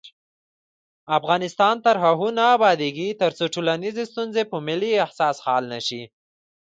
افغانستان تر هغو نه ابادیږي، ترڅو ټولنیزې ستونزې په ملي احساس حل نشي.